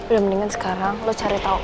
udah mendingan sekarang lo cari tahu